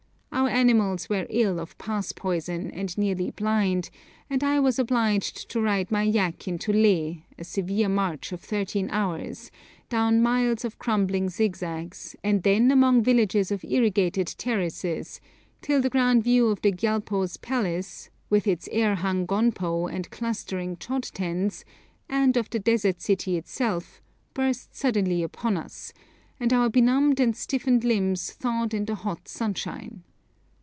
Our animals were ill of 'pass poison,' and nearly blind, and I was obliged to ride my yak into Leh, a severe march of thirteen hours, down miles of crumbling zigzags, and then among villages of irrigated terraces, till the grand view of the Gyalpo's palace, with its air hung gonpo and clustering chod tens, and of the desert city itself, burst suddenly upon us, and our benumbed and stiffened limbs thawed in the hot sunshine.